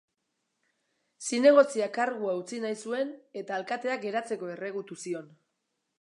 Zinegotziak kargu utzi nahi zuen eta alkateak geratzeko erregutu zion.